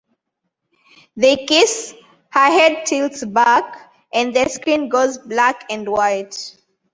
They kiss, her head tilts back, and the screen goes black-and-white.